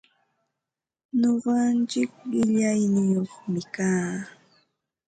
Nuqaichik qillaniyuqmi kaa.